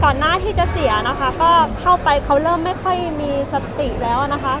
หน้าที่จะเสียนะคะก็เข้าไปเขาเริ่มไม่ค่อยมีสติแล้วนะคะ